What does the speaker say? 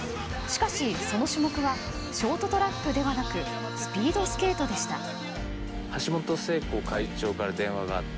しかし、その種目はショートトラックではなくスピードスケートでした。